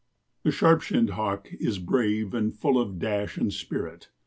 The Sharp shinned Hawk is brave and full of dash and spirit.